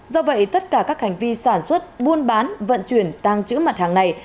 do vậy tất cả các hành vi sản xuất buôn bán vận chuyển tăng trữ mặt hàng này